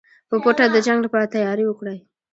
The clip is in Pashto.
په پټه د جنګ لپاره تیاری وکړئ.